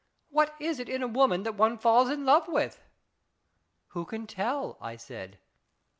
What is it in a woman that one falls in love with ?" "Who can tell?" I said.